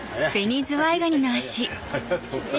ありがとうございます。